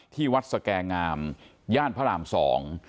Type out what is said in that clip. ที่วัดสแก่งามย่านพระรามสอง